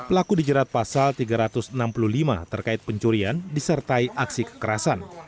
pelaku dijerat pasal tiga ratus enam puluh lima terkait pencurian disertai aksi kekerasan